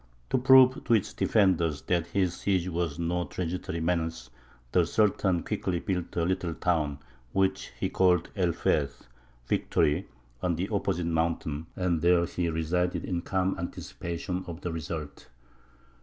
To prove to its defenders that his siege was no transitory menace, the Sultan quickly built a little town, which he called El Feth ("Victory"), on the opposite mountain, and there he resided in calm anticipation of the result.